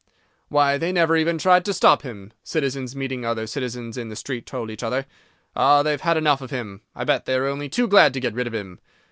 "Why, they never even tried to stop him," citizens, meeting other citizens in the street, told each other. "Ah, they've had enough of him. I bet they are only too glad to get rid of him.